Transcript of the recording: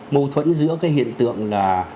mâu thuẫn giữa cái hiện tượng là